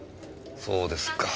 そうですか。